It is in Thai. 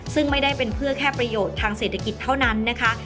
ซึ่งไม่ได้เป็นเพื่อแค่ประโยชน์ทางเศรษฐกิจเท่านั้นนะคะ